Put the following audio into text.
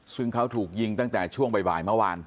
ซึ่งเขาถูกยิงตั้งแต่ช่วงบ่ายเมื่อวาน